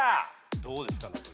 どうですか？